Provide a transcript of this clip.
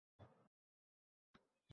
Baxtli bo‘lish sirlari nimada?